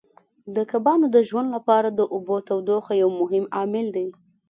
د کبانو د ژوند لپاره د اوبو تودوخه یو مهم عامل دی.